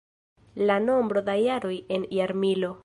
La nombro da jaroj en jarmilo.